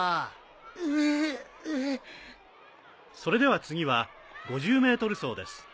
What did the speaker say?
それでは次は５０ｍ走です。